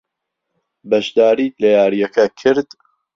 بەشداریت لە یارییەکە کرد؟